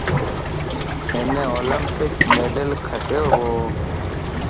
ھن اولمپڪ مڊل کٽيو وَ